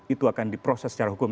itu akan diproses secara hukum